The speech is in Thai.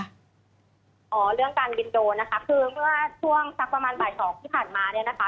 เรื่องการบินโดรนนะคะคือเมื่อช่วงสักประมาณบ่ายสองที่ผ่านมาเนี่ยนะคะ